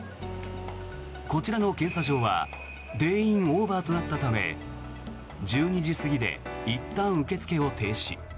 こちらの検査場は定員オーバーとなったため１２時過ぎでいったん受け付けを停止。